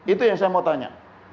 itu yang saya mau tanya